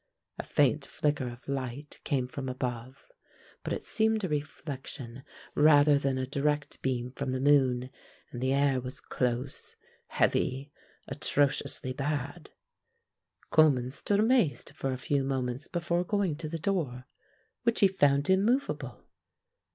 A faint flicker of light came from above, but it seemed a reflection rather than a direct beam from the moon, and the air was close, heavy, atrociously bad. Coleman stood amazed for a few moments before going to the door, which he found immovable.